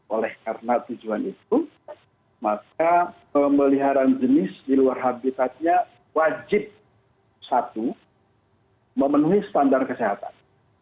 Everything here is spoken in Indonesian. oleh karena tujuan itu maka pemeliharaan jenis di luar habitatnya wajib satu memenuhi standar kesehatan